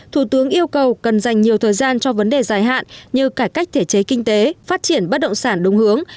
thủ tướng yêu cầu cần dành nhiều thời gian cho vấn đề dài hạn như cải cách thể chế kinh tế phát triển bất động sản đúng hướng